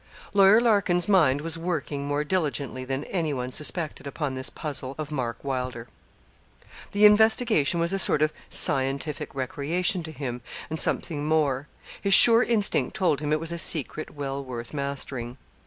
Lawyer Larkin's mind was working more diligently than anyone suspected upon this puzzle of Mark Wylder. The investigation was a sort of scientific recreation to him, and something more. His sure instinct told him it was a secret well worth mastering.